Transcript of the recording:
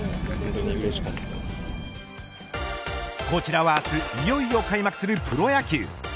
こちらは明日いよいよ開幕するプロ野球。